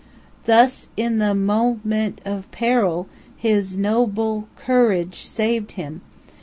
Thus in this moment of peril his nob le courage saved him.